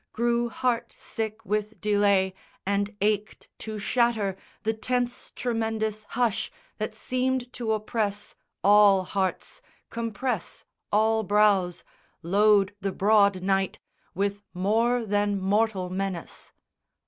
Grew heart sick with delay and ached to shatter The tense tremendous hush that seemed to oppress All hearts, compress all brows, load the broad night With more than mortal menace.